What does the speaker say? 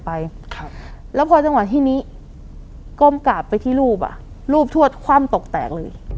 ไปครับแล้วพอจังหวะที่นี้ก้มกราบไปที่รูปอ่ะรูปทวดคว่ำตกแตกเลย